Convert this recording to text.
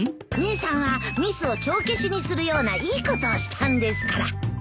姉さんはミスを帳消しにするようないいことをしたんですから。